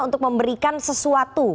untuk memberikan sesuatu